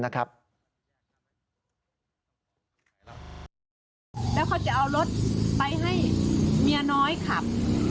แล้วเขาจะเอารถไปให้เมียน้อยขับ